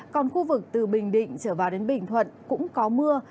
còn khu vực từ bình định trở vào đến bình thuận cũng có mưa